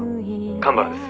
蒲原です」